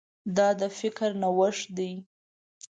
دا د فکر نوښت دی.